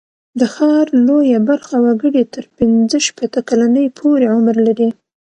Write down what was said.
د ښار لویه برخه وګړي تر پینځه شپېته کلنۍ پورته عمر لري.